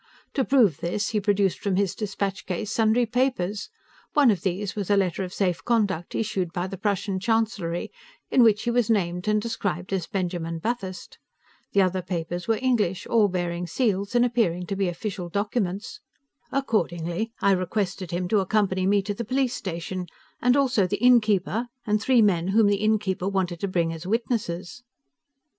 To prove this, he produced from his dispatch case sundry papers. One of these was a letter of safe conduct, issued by the Prussian Chancellery, in which he was named and described as Benjamin Bathurst. The other papers were English, all bearing seals, and appearing to be official documents. Accordingly, I requested him to accompany me to the police station, and also the innkeeper, and three men whom the innkeeper wanted to bring as witnesses.